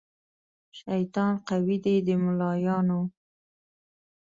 شیطان قوي دی د ملایانو